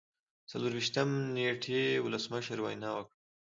څلور ویشتم نیټې ولسمشر وینا وکړه.